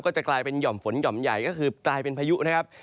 จะกลายเป็นห่อมฝนหย่อมใหญ่ก็คือกลายเป็นพายุนะครับ